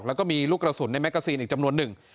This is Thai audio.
แล้วก็มีลูกกระสุนในแกซีนอีกจำนวนหนึ่ง